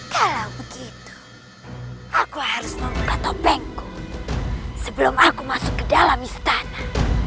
kalau begitu aku harus membuka topengku sebelum aku masuk ke dalam istana